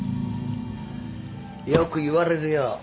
よく言われるよ。